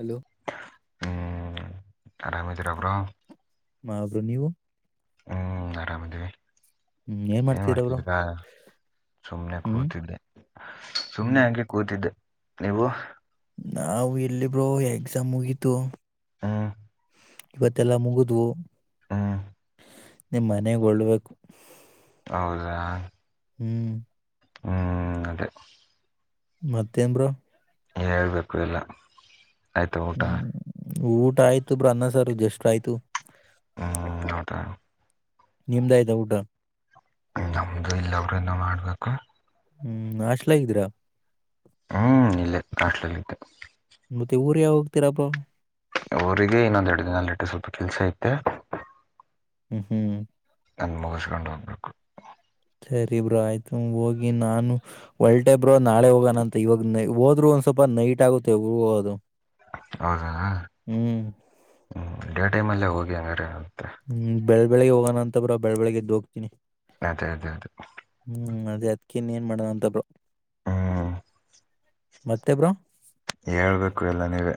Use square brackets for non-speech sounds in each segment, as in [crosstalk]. Hello ಆರಾಮದಿರ bro ಆಬ್ರೊ ನೀವು ಹ್ಮು ಆರಾಮದಿವಿ ಹ್ಮ್ ಏನ್ ಮಾಡ್ತೀರ ಬ್ರೋ ಮಾಡ್ತಿದಿರಾ ಸುಮ್ನೆ ಹ್ಮ್ ಕೂತಿದ್ದೆ ಸುಮ್ನೆ ಹ್ಮ್ ಅಂಗೆ ಕೂತಿದ್ದೆ ನೀವು ನಾವು ಎಲ್ಲಿಬ್ರೋ ಎಕ್ಸಾಮ್ ಮುಗಿತು ಹಾ ಇವತ್ತೆಲ್ಲಾ ಮುಗಿದ್ವು ಹ್ಮ್ ನಿಮ್ಮನೆಗೊಳ್ಬೇಕು ಹೌದಾ ಹ್ಮು ಹ್ಮು ಅದೇ ಮತ್ತೇನ್ ಬ್ರೋ ನೀವೇ ಹೇಳ್ಬೇಕು ಎಲ್ಲ ಆಯ್ತಾ ಊಟ? ಹ್ಮ್ ಊಟ ಆಯ್ತು ಬ್ರೋ ಅನ್ನ ಸಾರು ಜಸ್ಟ್ ಆಯ್ತು. [unintelligible] [unintelligible] ನಿಮ್ದಾಯ್ತ ಊಟ? ನಮ್ದು ಇಲ್ಲ ಬ್ರೋ ಇನ್ನ ಮಾಡಬೇಕು. ಹ್ಮ್ ಹಾಸ್ಟ್ಲಾಗಿದ್ದೀರಾ? ಹ್ಮ್ ಇಲ್ಲೇ ಹಾಸ್ಟೆಲಲ್ಲಿದ್ದೆ. ಮತ್ತೆ ಊರಿಗೆ ಯಾವಾಗ್ ಹೋಗ್ತಿರಾ ಬ್ರೋ? ಅವರಿಗೆ ಇನ್ನೊಂದೆ ಎರಡು ದಿನದಲ್ಲಿ ಲೇಟ್ ಸ್ವಲ್ಪ ಕೆಲಸ ಐತೆ. ಹ್ಮ್ ಹ್ಮ್ ಅದ್ನ ಮುಗುಸ್ಕೊಂಡು ಹೋಗಬೇಕು. ಸರಿ ಬ್ರೋ ಆಯ್ತು ಹೋಗಿ ನಾನು ಒಲ್ಟೆ ಇಬ್ರೋ ನಾಳೆ ಹೋಗೋಣಂತ ಇವಾಗ ಹೋದ್ರು ಒಂದ ಸ್ವಲ್ಪ ನೈಟ್ ಆಗುತ್ತೆ ಹೋಗೋದು. ಹೌದಾ ಹ್ಮ್ ಹ್ಮ ಡೇ ಟೈಮ್ ಅಲ್ಲೆ ಹೋಗಿ ಹಂಗಾರೆ ಹ್ಮ್ ಬೆಳ ಬೆಳಗ್ಗೆ ಹೋಗೋಣ ಅಂತ ಬ್ರೋ ಬೆಳ ಬೆಳ್ಳಗೆ ಎದ್ದ್ ಹೋಗ್ತನಿ. ಅದೇ ಅದೇ ಅದೇ ಹ್ಮ್ ಅದೇ ಅದಿಕ್ಕೇ ಇನ್ ಏನ್ ಮಾಡೋಣ ಅಂತ ಬ್ರೋ ಹ್ಮ್ ಮತ್ತೆ ಬ್ರೋ ಹೇಳ್ಬೇಕು ಎಲ್ಲ ನೀವೆ.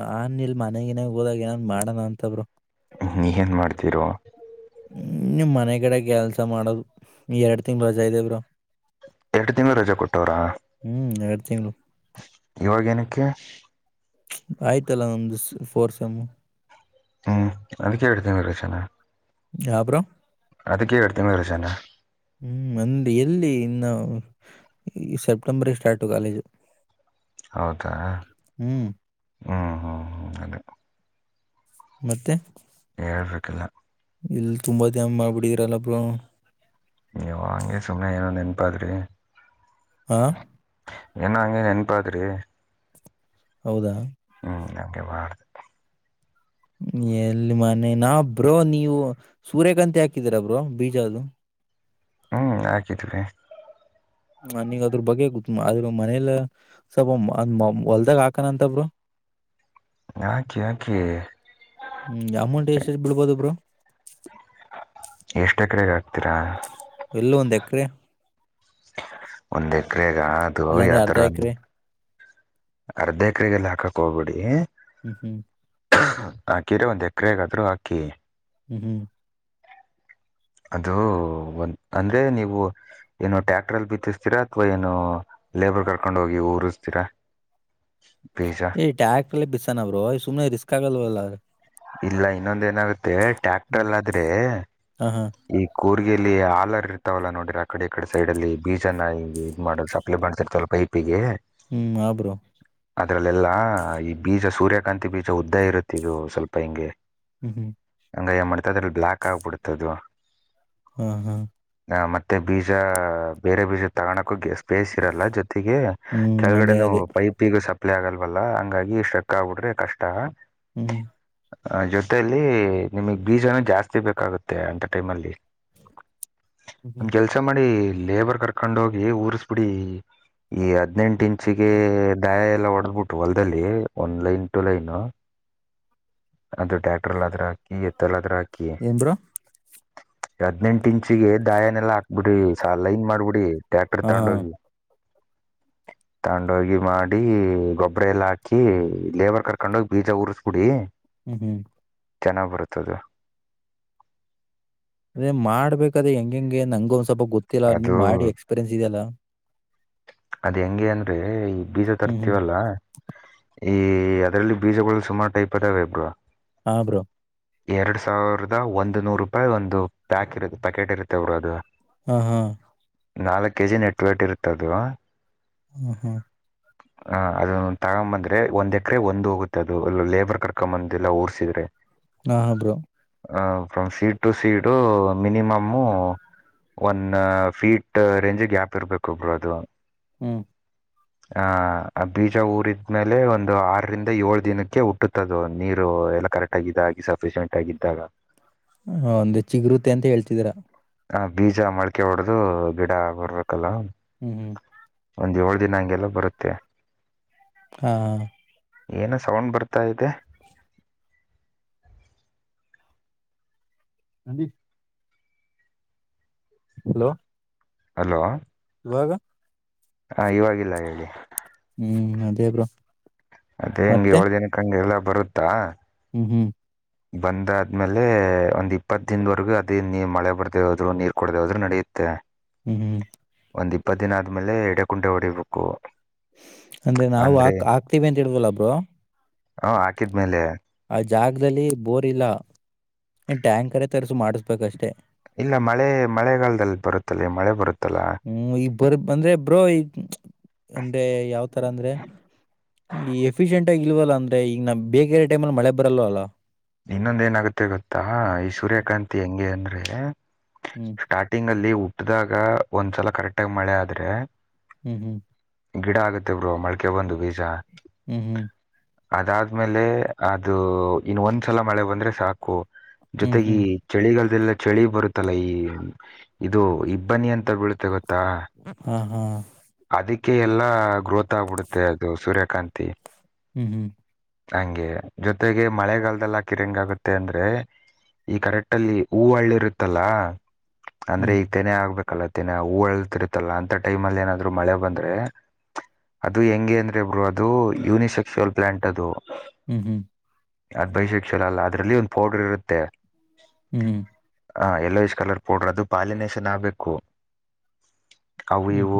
ನಾನ್ ಇಲ್ ಮನೆಗ ಗಿನೆ ಊರಾಗ್ ಏನಾನ್ ಮಾಡಣ ಅಂತ ಬ್ರೋ ಇಗೆನು ಮಾಡ್ತಿರೋ? ಹ್ಮ್ ನಿಮ್ ಮನೆಗಡೆ ಕೆಲ್ಸ ಮಾಡೋದು ಎರಡ್ ತಿಂಗ್ಳ್ ರಜಾ ಇದೇ ಬ್ರೋ ಎರಡು ತಿಂಗಳು ರಜೆ ಕೊಟ್ಟವ್ರ ಹ್ಮ್ ಎರಡ್ ತಿಂಗ್ಳು ಇವಾಗೇನಕ್ಕೆ ಆಯ್ತಲ್ಲ ನಮ್ದು ಫೋರ್ಸ್ ಸೇಮ್ ಹ್ಮ್ ಅದಕ್ಕೆ ಎರಡು ತಿಂಗಳು ರಜಾನ ಯಾ ಬ್ರೋ ಅದಿಕ್ಕೆ ಎರಡ್ ತಿಂಗ್ಳು ರಜಾನ. ಹ್ಮ್ ಮಂದಿ ಎಲ್ಲಿ ಇನ್ನ ಈ ಸೆಪ್ಟೆಂಬರ್ಗೆ ಸ್ಟಾರ್ಟು ಕಾಲೇಜು. ಹೌದಾ ಹ್ಮ್ ಹ್ಞೂ ಹ್ಞೂ ಹ್ಞೂ ಅದೇ ಮತ್ತೆ ಹೇಳ್ಬೇಕೆಲ್ಲ ಇಲ್ಲಿ ತುಂಬಾ ಧ್ಯಾನ ಮಾಡ್ಬಿಡಿದ್ರಲ್ಲ ಬ್ರೋ ಅಯ್ಯೋ ಅಂಗೇ ಸುಮ್ಮನೆ ಏನೋ ನೆನ್ಪಾದ್ರಿ ಹಾ ಏನೋ ಅಂಗೆ ನೆನಪಾದ್ರಿ ಹೌದಾ ಹ್ಮ ಹಂಗೆ ಮಾಡ್ ಎಲ್ಲಿ ಮನೆ ನಾ ಬ್ರೋ ನೀವು ಸೂರ್ಯಕಾಂತಿ ಹಾಕಿದೀರ ಬ್ರೋ ಬೀಜ ಅದು ಹ್ಮ್ ಹಾಕಿದ್ವಿ ನನಗ ಅದ್ರ ಬಗ್ಗೆ ಗೊತ್ತ ಆದ್ರ ಮನೆಯಲ್ಲ ಸ್ವಲ್ಪ [unintelligible] ಹೊಲ್ದಾಗ ಹಾಕಣ ಅಂತ ಬ್ರೋ ಹಾಕಿ ಹಾಕಿ ಹ್ಮ್ ಅಮೌಂಟ್ ಎಷ್ಟ್ ಬಿಳ್ಬೋದು ಬ್ರೊ ಎಷ್ಟೇ ಕಡೆಗ ಆಕ್ತೀರಾ ಎಲ್ಲು ಒಂದು ಎಕ್ಕರೆ ಒಂದ್ ಎಕರೆಗ ಅದು ಇಲ್ಲಾಂದ್ರೆ ಅರ್ಧ ಯಾವತರ ಎಕರೆ ಅರ್ಧ ಎಕರೆಗೆಲ್ಲ ಹಾಕಕ್ ಹೋಗ್ಬಿಡಿ ಹ್ಮ್ ಹ್ಮ್ ಹಾಕಿರೊ ಒಂದು ಎಕರೆಗಾದ್ರೂ ಹಾಕಿ ಹ್ಮ್ ಹ್ಮ್ ಅದು ಒಂದ ಅಂದ್ರೆ ನೀವು. ಏನು ಟ್ಯಾಕ್ಟ್ರ ಅಲ್ಲಿ ಬಿತ್ತಿಸ್ತೀರಾ ಅಥವಾ ಏನು ಲೇಬರ್ ಕರ್ಕೊಂಡ್ ಹೋಗಿ ಊರಿಸ್ತೀರಾ. ಬಿಜಾ. ಈ ಟ್ಯಾಕ್ಟ್ರಲ್ಲಿ ಅಲ್ಲೇ ಬಿತ್ತಿಸೋಣ ಬ್ರೋ ಸುಮ್ನೆ ರಿಸ್ಕ್ ಆಗಲ್ವಲ್ಲ. ಇಲ್ಲ ಇನ್ನೊಂದ ಏನಾಗುತ್ತೆ ಹ್ಮ್ ಟ್ಯಾಕ್ಟರ್ಲ್ ಆದ್ರೆ. ಹಾ ಹಾ ಈ ಕೋರ್ಗಯಲ್ಲಿ ಹಲರ್ ಇರ್ತವಲ್ಲಾ ನೋಡ್ರ ಆ ಕಡೆ ಈ ಕಡೆ ಸೈಡ್ ಅಲ್ಲಿ ಬೀಜನ್ನ ಈ ಮಾಡ ಸಪ್ಲೈ ಮಾಡ್ಸ ಇರ್ತವ ಪೈಪ್. ಪ್ಪಿಗೆ. ಹಾ ಬ್ರೋ ಅದ್ರಲ್ಲೆಲ್ಲಾ ಈ ಬೀಜ ಸೂರ್ಯಕಾಂತಿ ಬೀಜ ಉದ್ದ ಇರುತ್ತೆ ಇದು ಸ್ವಲ್ಪ ಹಿಂಗೆ. ಹ್ಮ ಹ್ಮ್ ಹಂಗ ಏ ಮಾಡ್ತದ್ರ ಬ್ಲಾಕ್ ಹಾಗಿಬಿಡುತೆ ಅದು ಹಾ ಹಾ ಅ ಮತ್ತೆ ಬೀಜ ಬೇರೆ ಬೀಜ ತಗಳಕ್ಕೂ ಸ್ಪೇಸ್ ಇರಲ್ಲ ಜೊತೆಗೆ. ಹ್ಮ್ ಅದೇ ಕೆಳಗಡೆನುೂ ಅದೇ ಪೈಪ್ಗೂ ಸಪ್ಲೈ ಆಗಲ್ವಲ್ಲ ಹಂಗಾಗಿ ಸ್ಟೆಕ್ ಆಗ್ಬಿಡ್ರೆ ಕಷ್ಟ. ಹ್ಮ್ ಆ ಜೊತೆಯಲ್ಲಿ ನಿಮಗ್ ಬೀಜನೂ ಜಾಸ್ತಿ ಬೇಕಾಗುತ್ತೆ ಅಂತ ಟೈಮ್ಲ್ಲಿ. ಹ್ಮ್ ನಮ ಹ್ಮ್ ಕೆಲ್ಸ ಮಾಡಿ ಲೇಬರ್ ಕರ್ಕೊಂಡ್ ಹೋಗಿ ಊರ್ಸ್ಬಿಡಿ ಈ ಹದ್ನೆಂಟು ಇಂಚ್ ಹೆಚ್ಚಿಗೆ ಅದೇ ದಾಯ ಎಲ್ಲ ಹೊಡೆದ್ಬಿಟ್ಟು ಹೊಲ್ದಲ್ಲಿ ಒನ್ ಲೈನ್ ಟೂ ಲೈನ್. ಅದು ಟ್ಯಾಕ್ಟರ್ಲ್ ಆದ್ರ ಹಾಕಿ ಎತ್ತಲ್ ಆದ್ರ ಹಾಕಿ. ಬ್ರೋ ಹದ್ನೆಂಟು ಇಂಚಿಗೆ ದಾಯನೆೆಲ್ಲಾ ಹಾಕ್ಬಿಡ್ರಿಲೈನ್ ಮಾಡ್ಬಿಡಿ ಟ್ಯಾಕ್ಟರ್ ಹಾ ಹಾ ತಗೊಂಡ ಹೋಗಿ. [inaudible] ತಂಡೋಗಿ ಮಾಡಿ ಗೊಬ್ಬ್ರ ಎಲ್ಲ ಹಾಕಿ ಲೇಬರ್ ಕರ್ಕೊಂಡೋಗಿ ಬೀಜ ಉರ್ಸ್ಬಿಡಿ. ಹ್ಮ್ ಹ್ಮ್ ಚೆನ್ನಾಗಿ ಬರುತ್ತೆ ಅದು. ಅದೇ ಮಾಡ್ಬೇಕಾದ ಹೆಂಗಗೆ ಹೆಂಗೆ ನಂಗ ಒಂದ್ ಸ್ವಲ್ಪ ಗೊತ್ತಿಲ್ಲಾ ಅದು ನೀನ್ ಮಾಡಿ ಎಕ್ಸ್ಪೀರಿಯನ್ಸ್ ಇದೆಯಲ್ಲಾ. ಅದ್ ಹೆಂಗೆ ಅಂದ್ರೆ ಈ ಬೀಜ ಹ್ಮ್ ಹ್ಮ್ ತರ್ತೀವಲ್ಲ. ಈ ಅದರಲ್ಲಿ ಬೀಜಗಳು ಸುಮಾರು ಟೈಪ್ ಇದಾವೆ ಬ್ರೋ ಹಾ ಬ್ರೋ ಎರಡು ಸಾವಿರದ ಒಂದು ನೂರು ರೂಪಾಯಿ ಒಂದು ಪ್ಯಾಕ್ ಇರುತ್ತೆ ಪ್ಯಾಕೆಟ್ ಇರುತ್ತೆ ಅವರು ಅದು. ಹಾ ಹಾ ನಾಲ್ಕು ಕೆ ಜಿ ನೆಟ್ ವೇಟ್ ಇರುತ್ತೆ ಅದು. ಹ್ಮ ಹ್ಮ [inaudible] ಹ ಅದ ತಗೊ ಬಂದ್ರೆ ಒಂದ್ ಎಕರೆ ಒಂದ್ ಹೋಗುತ್ತೆ ಅದು ಲೇಬರ್ ಕರ್ಕೊಂಡೊಂಬಂದ ಎಲ್ಲ ಊರ್ಸಿದ್ರೆ. [inaudible] ಹಾ ಹಾ bro from seed to seed minimum. One feet range app ಇರ್ಬೇಕು ಬ್ರೋ ಅದು. ಹ್ಮ್ [inaudible] ಆ ಬೀಜ ಊರಿದ್ಮೇಲೆ ಒಂದು ಆರರಿಂದ ಏಳ ದಿನಕ್ಕೆ ಹುಟ್ಟುತ್ತದು ನೀರು ಎಲ್ಲ ಕರೆಕ್ಟ್ ತಗಿದಾಗಿ ಸಫಿಷಿಯೆಂಟ್ ಆಗಿದ್ದಾಗ ಹ ಒಂದೆ ಚಿಗ್ರುತೆೆ ಅಂತ ಹೇಳ್ತಿದೀರಾ ಆ ಬೀಜ ಮಳಕೆ ಹೊಡ್ದ ಗಿಡ ಆ ಬರ್ಬೇಕಲ್ಲ ಹ್ಮ್ ಹ್ಮ ಒಂದ್ ಏಳು ದಿನ ಹಂಗೆಲ್ಲ ಬರುತ್ತೆ ಹಾ ಏನು ಸೌಂಡ್ ಬರ್ತಾ ಇದೆ ಅ [inaudible] ಹಲೋ ಹಲೋ ಇವಾಗ ಹಾ ಇವಾಗಿಲ್ಲ ಹೇಳಿ ಹ್ಮ್ ಅದೇ ಬ್ರೋ ಅದೇ ಹೆಂಗೆ ಮತ್ತೆ ಏಳು ದಿನಕ್ಕೆ ಹಂಗೆ ಎಲ್ಲ ಬರುತ್ತಾ ಹ್ಮ್ ಹ್ಮ್ ಬಂದಾದ್ಮೇಲೆ ಒಂದ್ ಇಪ್ಪತ್ ದಿನ ದವರೆಗೂ ಅದ ನೀ ಮಳೆ ಬರ್ದೆೇ ಹೋದ್ರು ನೀರ್ ಕುಡ್ದೇ ಹೋದ್ರು ನಡೆ ಮತ್ತು ಹ್ಮ್ ಹ್ಮ ಒಂದ್ ಇಪ್ಪತ್ತು ದಿನ ಆದ್ಮೇಲೆ ಎಡ ಕುಂಟೆ ಹೊಡಿಬೇಕು ಅಂದ್ರೆ ನಾವು ಹಕ್ ಹಾಕ್ತಿವಿ ಅಂತ ಹೇಳ್ದಲ್ಲಾ ಬ್ರೋ ಹಾ ಹಾಕಿದ್ಮೇಲೆ ಆ ಜಾಗದಲ್ಲಿ ಬೋರ್ ಇಲ್ಲ ಇನ್ ಟ್ಯಾಂಕರೇ ತರ್ಸು ಮಾಡಿಸ್ಬೇಕಷ್ಟೇ ಇಲ್ಲ ಮಳೆ ಮಳೆಗಾಲದಲ್ಲಿ ಬರುತ್ತಲ್ಲ ಮಳೆ ಬರುತ್ತಲ್ಲ ಹ್ಮ್ ಈ ಬರ್ ಅಂದ್ರೆ ಬ್ರೋ ಈಗ ಅಂದ್ರೆ ಯಾವತರ ಅಂದ್ರೆ ಈ ಎಫಿಶಿಯೆಂಟ್ ಆಗಿ ಇಲ್ವಲ್ಲ ಅಂದ್ರೆ ಈಗ ನ ಬೇರೆ ಟೈಮ ಅಲ್ಲಿ ಮಳೆ ಬರಲ್ಲಲ್ ಅಲ್ಲ ಇನ್ನೊಂದ ಏನಾಗುತ್ತೆ ಗೊತ್ತಾ ಈ ಸೂರ್ಯಕಾಂತಿ ಹೆಂಗೆ ಅಂದ್ರೆ ಹ್ಮ್ ಸ್ಟಾರ್ಟಿಂಗ್ ಅಲ್ಲಿ ಹುಟ್ಟಿದಾಗ ಒಂದ್ಸಲ ಕರೆಕ್ಟ್ ಆಗಿ ಮಳೆ ಆದ್ರೆ ಹ್ಮ್ ಹ್ಮ್ ಗಿಡ ಆಗುತ್ತೆ ಬ್ರೋ ಮಳಕೆ ಬಂದು ಬೀಜ ಹ್ಮ ಹ್ ಅದಾದ್ಮೇಲೆ ಅದು ಇನ್ನು ಒಂದ್ಸಲ ಮಳೆ ಬಂದ್ರೆ ಸಾಕು ಹ್ಮ್ ಜೊತೆಗೆ ಹ್ಮ್ ಚಳಿಗಾಲದೆಲ್ಲ ಚಳಿ ಬರುತ್ತಲ್ಲ ಈ ಇದು ಇಬ್ಬನಿ ಅಂತ ಬೀಳುತ್ತೆ ಗೊತ್ತ ತ್ತಾ ಹಾ ಹಾ ಅದಕ್ಕೆ ಎಲ್ಲಾ ಗ್ರೋತ್ ಆಗ್ಬಿಡುತ್ತೆ ಅದು ಸೂರ್ಯಕಾಂತಿ ಹ್ಮ್ ಹ್ಮ್ ಹಂಗೆ ಜೊತೆಗೆ ಮಳೆಗಾಲದಲ್ಲಿ ಹಾಕಿದ್ರೆ ಹೆಂಗೆ ಆಗುತ್ತೆ ಅಂದ್ರೆ ಈ ಕರೆಕ್ಟ್ ಅಲ್ಲಿ ಹೂಳ್ಳಿ ಇರುತ್ತಲ್ಲ ಅಂದ್ರೆ ಹ್ಮ್ ಈ ತೆನೆ ಆಗ್ಬೇಕಲ್ಲ ತೆನೆ ಹೂತಿರುತ್ತಲ್ಲ ಅಂತ ಟೈಮ್ ಅಲ್ಲಿ ಏನಾದ್ರು ಮಳೆ ಬಂದ್ರೆ ಅದು ಹೆಂಗೆ ಅಂದ್ರೆ ಬ್ರೋ ಅದು ಯೂನಿಸೆಕ್ಸುಲ್ ಪ್ಲಾಂಟ್ ಅದು ಹ್ಮ್ ಹ್ಮ್ ಅದ್ ಬೀಸೆಕ್ಚುವಲ್ ಅಲ್ಲ ಅದ್ರಲ್ಲಿ ಒಂದು ಪೌಡರ್ ಇರುತ್ತೆ ಹ್ಮ್ ಹ ಯೆಲ್ಲೋ ಇಶ್ ಕಲರ್ ಪೌಡ್ರರ್ ಅದು ಪಾಲಿನೇಷನ್ ಆಗ್ಬೇಕು ಅವು ಹ್ಮ್ ಹ್ಮ್ ಇವು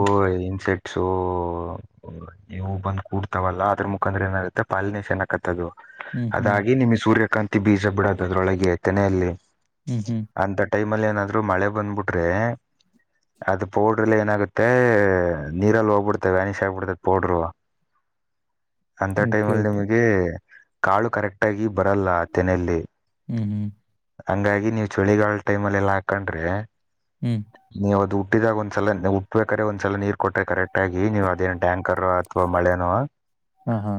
ಇನ್ಸೆಕ್ಟ್ ಸೊ ಇವು ಬಂದು ಕೂಡ್ತಾವಲ್ಲ ಅದ್ರೂ ಮುಖಾಂತರ ಏನಾಗುತ್ತೆ ಪಾಲಿನೇಷನ್ ಆಕತ್ತ ಅದು. ಹ್ಮ್ ಹ್ಮ್ ಅದಾಗಿ ನಿಮ್ಗೆ ಸೂರ್ಯಕಾಂತಿ ಬೀಜ ಬಿಡೋದು ಅದ್ರೊಳಗೆ ತೆನೆಯಲ್ಲಿ ಹ್ಮ್ ಹ್ಮ್ ಅಂತ ಟೈಮ್ ಅಲ್ಲಿ ಏನಾದ್ರೂ ಮಳೆ ಬಂದ್ಬಿಟ್ರೆ. ಅದು ಪೌಡರ್ ಎಲ್ಲಾ ಏನಾಗುತ್ತೆ ನೀರಲ್ಲಿ ಹೋಗ್ಬಿಡ್ತದೆ ವ್ಯಾನಿಶ್ ಆಗ್ಬಿಡ್ತದೆ ಪೌಡರ್. ಹ ಓಕೆ ಟೈಮಲ್ಲಿ ಓಕೆ ನಿಮಗೆ ಕಾಳು ಕರೆಕ್ಟ್ ಆಗಿ ಬರಲ್ಲ ತೆನೆಯಲ್ಲಿ. ಹ್ಮ್ ಹ್ಮ್ ಹಂಗಾಗಿ ನೀವು ಚಳಿಗಾಲ ಟೈಮ್ ಅಲ್ಲಿ ಎಲ್ಲಾ ಹಾಕೊಂಡ್ರೆ. ಹ್ಮ್ ನೀವು ಅದು ಹುಟ್ಟಿದಾಗ ಒಂದ್ಸಲ ಹುಟ್ಬೇಕಾದ್ರೆ ಒಂದ್ಸಲ ನೀರ್ ಕೊಟ್ಟ್ರ ಕರೆಕ್ಟ್ ಆಗಿ ನೀವು ಅದೇನ್ ಟ್ಯಾಂಕರ್ ಅಥವಾ ಮಳೆನೋ ಹಾ ಹಾ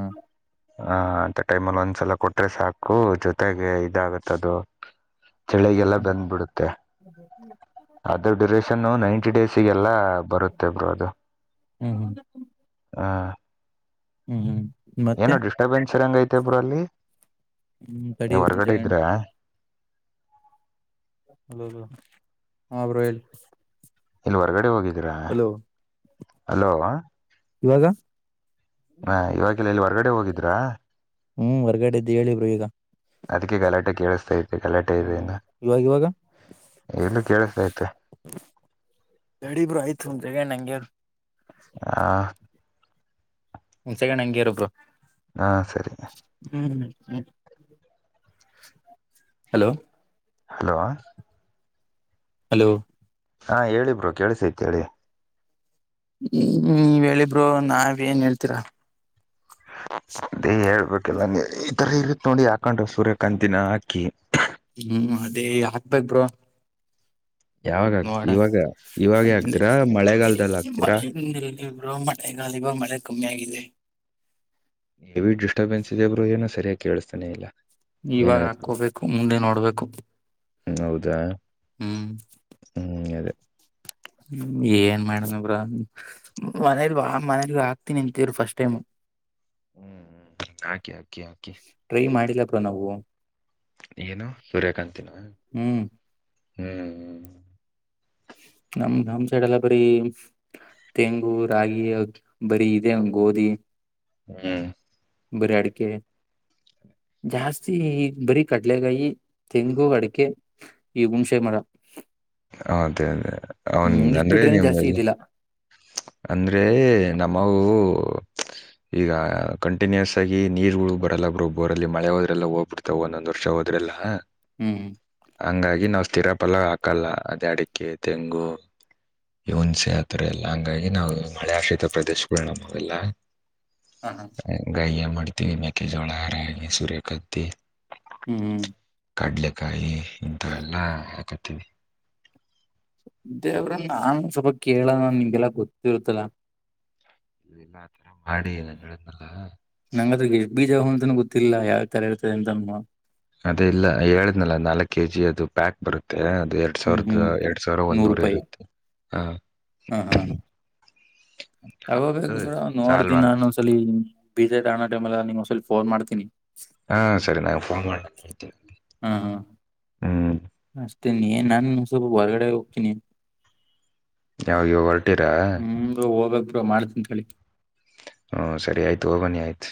ಹಾ ಅಂತ ಟೈಮಲ್ಲಿ ಒಂದ್ಸಲ ಕೊಟ್ರೆ ಸಾಕು ಜೊತೆಗೆ ಇದಾಗತ್ತೆ ಅದು. ಚಳಿಗೆಲ್ಲ ಹ್ಮ್ ಬಂದ್ ಬಿಡುತ್ತೆ ಅದ್ರ ಡ್ಯೂರೇಷನ್ ನೈಂಟಿ ಡೇಸ್ ಚಿಗೆಲ್ಲ ಬರುತ್ತೆ ಬ್ರೋ ಅದು ಹ್ಮ್ ಹ ಹ್ಮ್ ಹ್ಮ್ ಮತ್ತೆ ಡಿಸ್ಟಾರ್ಬೇನ್ಸ್ ಇರಗ್ ಐತೆ ಬ್ರೋ ಅಲ್ಲಿ ಹ್ಮ್ ತಡಿ ಬ್ರೋ ಒಂದ್ ಹೊರಗಡೆ ಸೆಕೆಂಡ್ ಇದ್ರಾ ಹಲೋ ಹ ಬ್ರೋ ಹೇಳಿ. ಎಲ್ಲಿ ಹೊರಗಡೆ ಹೋಗಿದ್ದೀರಾ ಹಲೋ ಹಲೋ ಇವಾಗ ಇವಾಗಿಲ್ಲ ಇಲ್ಲಿ ಹೊರ್ಗಡೆ ಹೋಗಿದ್ರಾ ಹ್ಮ್ ಹೊರಗಡೆ ಇದೆ ಹೇಳಿ ಬ್ರೋ ಈಗ ಅದಕ್ಕೆ ಗಲಾಟೆ ಕೇಳಿಸೈತೆ ಗಲಾಟೆ ಹ್ಮ್ ಇದೆ ಹ್ಮ್ ನಾ ಇವಾಗ ಇವಾಗ ಎಲ್ಲೂ ಕೇಳಿಸತೈತೆ. ನೋಡಿ ಬ್ರೋ ಆಯ್ತು ಒಂದು ಸೆಕೆಂಡ್ ಹಂಗೆ ಇರು. ಹ ಒಂದ್ ಸೆಕೆಂಡ್ ಹಂಗೆ ಇರು ಬ್ರೋ. ಹಾ ಸರಿ ಹ್ಮ್ ಹ್ಮ್ ಹಲೋ ಹಲೋ ಹಲೋ ಹಾ ಹೇಳಿ ಬ್ರೋ ಕೇಳಿಸೈತಿ ಹೇಳಿ ಹ್ಮ್ ನೀವ್ ಹೇಳಿ ಬ್ರೋ ನಾವ್ ಏನ್ ಹೇಳ್ತೀರಾ. ಅದೇ ಹೇಳ್ಬೇಕಲ್ಲ ನೀ ಈತರ ಇರುತ್ತೆ ನೋಡಿ ಹಾಕೊಂಡ್ರೆ ಸೂರ್ಯಕಾಂತಿನ ಹಾಕಿ. ಹ್ಮ್ ಅದೇ ಹಾಕ್ಬೇಕ್ ಬ್ರೋ ಯಾವಾಗ ಆತಿ ನೋಡ ಇವಾಗ ಇವಾಗ ಹಾಕ್ತೀರಾ ಮಳೆಗಾಲದಲ್ಲಿ ಹಾಗ್ತೀರಾ. ಹ್ಮ ಇಲ್ಲಿ ಇಲ್ಲಿ ಬ್ರೋ ಮಳೆಗಾಲ ಇವಾಗ ಮಳೆ ಕಮ್ಮಿ ಆಗಿದೆ. ಹೆವಿ ಡಿಸ್ಟರ್ಬನ್ಸ್ ಇದೆ ಬ್ರೋ ಏನೂ ಸರಿಯಾಗಿ ಕೇಳಿಸ್ತಾನೆ ಇಲ್ಲ. ಏನ್ ಇವಾಗ ಹೇಳ್ತಿದ್ದಿ ಹಾಕೋಬೇಕು ಮುಂದೆ ನೋಡ್ಬೇಕು ಹ್ಮ್ ಹೌದಾ ಹ್ಮ್ ಹ್ಮ್ ಅದೇ ಹ್ಮ್ ಏನ್ ಮಾಡನೋ ಬ್ರೋ ಮನೇಲಿ ಮನೇಲಿ ಹಾಕ್ತೀನಿ ಅಂತೀರು ಫಸ್ಟ್ ಟೈಮ್. ಹ್ಮ್ ಹಾಕಿ ಹಾಕಿ ಹಾಕಿ ಟ್ರೈ ಮಾಡಿಲ್ಲ ಬ್ರೋ ನಾವು ಏನು ಸೂರ್ಯಕಾಂತಿನ ಹ್ಮ್ ಹ್ಮ್ ಹ್ಮ್ ನಮ್ ನಮ್ ಸೈಡ್ ಎಲ್ಲಾ ಬರಿ ತೆಂಗು, ರಾಗಿ, ಬರಿ ಇದೆ ಗೋದಿ ಹುಂ ಬರಿ ಅಡಕಿವು ಜಾಸ್ತಿ ಈಗ ಬರೀ ಕಡ್ಲೆಕಾಯಿ, ತೆಂಗು, ಅಡಿಕೆ ಈ ಗುಣಷೆ ಮರಾ ಹೌದು ಹೌದು ಅವನು ಹ್ಮ್ ಇಷ್ಟ ಅಂದ್ರೆ ಬಿಟ್ರೇನೆ ಜಾಸ್ತಿ ನಿಮಲ್ಲಿ ಇದಿಲ್ಲ ಅಂದ್ರೆ ನಮವು ಈಗ ಕಂಟಿನ್ಯೂಸ್ ಆಗಿ ನೀರುಗಳ ಬರಲ್ಲ ಬೊರಲ್ಲಿ ಮಳೆ ಹೋದ್ ಲ್ಲ ಹೋಗ್ಬಿಡ್ತಾರೆ ಅ ಒಂದೊಂದು ವರ್ಷ ಹೋದ್ರಲ್ಲಾ ಹುಂ ಹಂಗಾಗಿ ನಾವು ಸ್ಥೀರ ಪಲ್ಲ ಹಾಕಲ್ಲ ಅದ ಅಡಿಕೆ ತೆಂಗು ಈ ಉನ್ಸೆ ಆತರ ಎಲ್ಲಾ ಹಂಗಾಗಿ ನಾವು ಮಳೆ ಆಶ್ರಿತ ಪ್ರದೇಶಗಳು ನಮು ಎಲ್ಲಾ ಹಾ ಹಾ [unintelligible] ಮಾಡ್ತೀನವಿ ಮೆಕ್ಕೆೆಜೋಳ ಹಾರಿ ಸೂರ್ಯ ಕಾಂತಿ ಹುಂ ಕಡ್ಲೆಕಾಯಿ ಇಂಥ ಎಲ್ಲಾ ಹಾಕತ್ತವಿ ದೇವ್ರ ನಾನು ಸ್ವಲ್ಪ ಕೇಳ ನಿಂಗೆಲ್ಲ ಗೊತ್ತಿರುತ್ತಲ್ಲಾ [unintelligible] ಮಾಡಿ ಏನ [unintelligible] ನಂಗದ್ರ ಎಷ್ಟ ಬೀಜ ಅಂತನ ಗೊತ್ತಿಲ್ಲಾ ಯಾವ್ ತರಾ ಇರ್ತದೆ ಅಂತ ಅದೇ ಇಲ್ಲ ಹೇಳ್ನಲ್ಲ ನಾಲ್ಕ ಕೆ ಜಿ ಅದು ಪ್ಯಾಕ್ ಬರುತ್ತೆ ಅದ ಎರಡ್ ಸಾವಿರದ ಹ್ಮ್ ಎರಡ್ ಸಾವಿರ ನೂರು ಒಂದನೂರ ರೂಪಾಯಿ ಇರುತ್ತೆ ಹ [unintelligible] ಸಾಲ್ವ್ ನೋಡ್ತೀ ನಾನು ಹಾಕ್ ಒಂದಸಲಿ ಬೀಜ ಅಣೋ ಟೈಮ ಎಲ್ಲಾ ನಿ ಒಂದಸಲ ಫೋನ್ ಮಾಡತನಿ ಹಾ ಸರಿ ನಾನ್ ಫೋನ್ ಮಾಡು ಬರ್ತೀನಿ ಹುಂ ಅಷ್ಟತೇ ನನ್ನ ನಾನು [unintelligible] ಹೊರಗಡೆ ಹೋಗ್ತೀನಿ ಯಾವ ಈವಾ ಹೊಟಿರಾ ಮುಂದ ಹೋಗಕ್ ಮಾಡ್ತಂತ [unintelligible] ಹುಂ ಸರಿ ಆಯ್ತು ಹೋಗ ಬನ್ನಿ ಆಯ್ತು